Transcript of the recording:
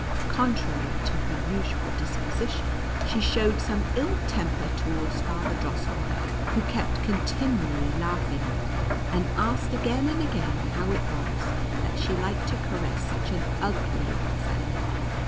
Contrary to her usual disposition, she showed some ill temper towards Father Drossel meier, who kept continually laughing at her, and asked again and again how it was that she liked to caress such an ugly little fellow.